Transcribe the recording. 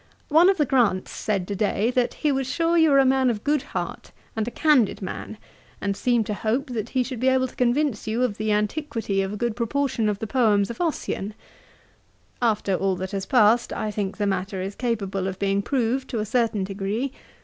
One of the Grants said to day, that he was sure you were a man of a good heart, and a candid man, and seemed to hope he should be able to convince you of the antiquity of a good proportion of the poems of Ossian. After all that has passed, I think the matter is capable of being proved to a certain degree.